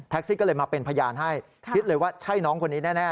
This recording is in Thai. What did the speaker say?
ซี่ก็เลยมาเป็นพยานให้คิดเลยว่าใช่น้องคนนี้แน่